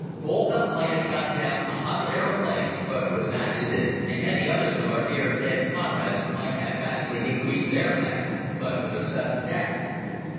Boelcke might have shot down a hundred aeroplanes but for his accident, and many others of our dear dead comrades might have vastly increased their bag but for their sudden death.